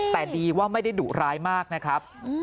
แต่ดีว่าไม่ได้ดุร้ายมากนะครับ